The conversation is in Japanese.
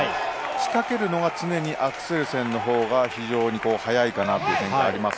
仕掛けるのは常にアクセルセンのほうが非常に早いかなと思います。